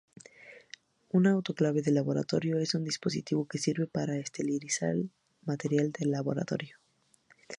Una autoclave de laboratorio es un dispositivo que sirve para esterilizar material de laboratorio.